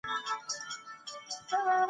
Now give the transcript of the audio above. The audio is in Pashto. یو ښکاري کرۍ ورځ